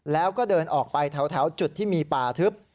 แล้วก็เดินออกไปแถวจุดที่มีป่าทึบ